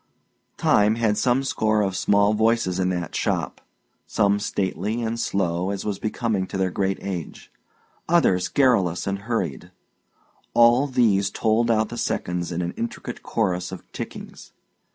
Time had some score of small voices in that shop some stately and slow as was becoming to their great age; others garrulous and hurried. All these told out the seconds in an intricate chorus of tickings.